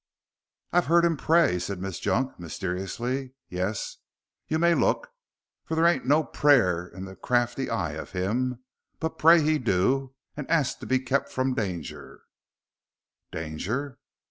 "I've heard him pray," said Miss Junk, mysteriously "yes, you may look, for there ain't no prayer in the crafty eye of him but pray he do, and asks to be kept from danger " "Danger?"